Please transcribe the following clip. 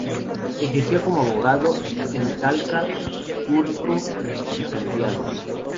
Ejerció como abogado en Talca, Curicó y Santiago.